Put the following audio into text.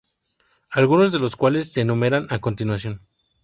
Algunos de los cuales se enumeran a continuación.